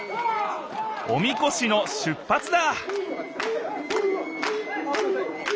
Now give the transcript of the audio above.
おみこしの出ぱつだ！